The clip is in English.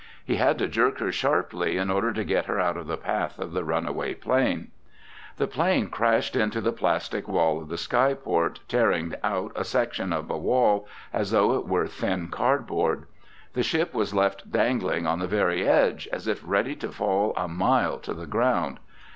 He had to jerk her sharply in order to get her out of the path of the runaway plane. The plane crashed into the plastic wall of the skyport, tearing out a section of wall as though it were thin cardboard. The ship was left dangling on the very edge as if ready to fall a mile to the ground.